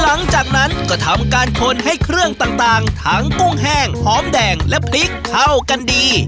หลังจากนั้นก็ทำการคนให้เครื่องต่างทั้งกุ้งแห้งหอมแดงและพริกเข้ากันดี